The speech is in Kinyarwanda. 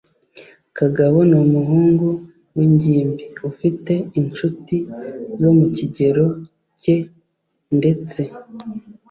kagabo ni umuhungu w'ingimbi ufite inshuti zo mu kigero ke ndetse